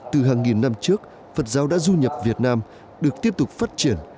từ hàng nghìn năm trước phật giáo đã du nhập việt nam được tiếp tục phát triển